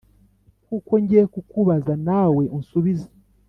kuko ngiye kukubaza nawe unsubize